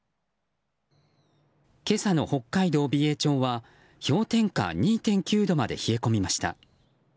今朝の北海道美瑛町は氷点下２．９度まで冷え込みました。